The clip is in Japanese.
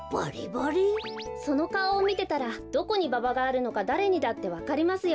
そのかおをみてたらどこにババがあるのかだれにだってわかりますよ。